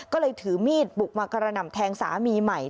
ก็เลยถือมีดบุกมากระหน่ำแทงสามีใหม่